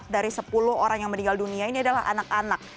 empat dari sepuluh orang yang meninggal dunia ini adalah anak anak